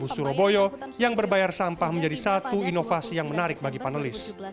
surabaya yang berbayar sampah menjadi satu inovasi yang menarik bagi panelis